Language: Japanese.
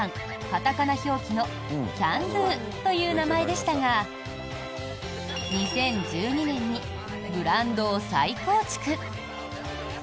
カタカナ表記のキャン★ドゥという名前でしたが２０１２年にブランドを再構築。